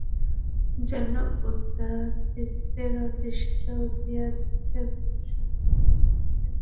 যেন উদয়াদিত্যের অদৃষ্ট, উদয়াদিত্যের ভবিষ্যৎ জীবনের প্রতিদিন প্রতি মুহূর্ত প্রতাপাদিত্যের মুষ্টির মধ্যে রহিয়াছে।